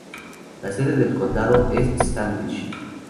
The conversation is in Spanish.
La sede del condado es Standish.